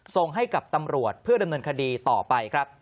ส่งให้กับตำรวจเพื่อดำเนินคดีต่อไปครับ